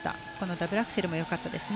ダブルアクセルも良かったです。